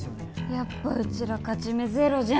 やっぱうちら勝ち目ゼロじゃん